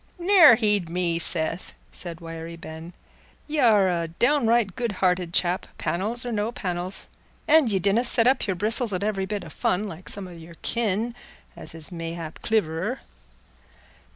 "Ne'er heed me, Seth," said Wiry Ben, "y' are a down right good hearted chap, panels or no panels; an' ye donna set up your bristles at every bit o' fun, like some o' your kin, as is mayhap cliverer."